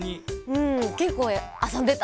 うんけっこうあそんでた。